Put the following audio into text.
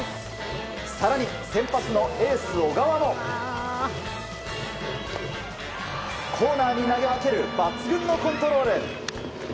更に先発のエース、小川もコーナーに投げ分ける抜群のコントロール。